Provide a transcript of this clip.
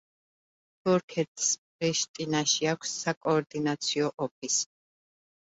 თურქეთს პრიშტინაში აქვს საკოორდინაციო ოფისი.